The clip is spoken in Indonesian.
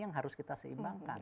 yang harus kita seimbangkan